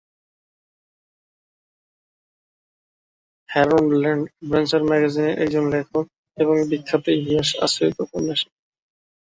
Harold Lamb adventure ম্যাগাজিনের একজন লেখক এবং বিখ্যাত ইতিহাস আশ্রিত ঔপন্যাসিক।